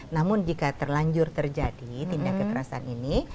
namun jika terlanjur terjadi tindak kekerasan ini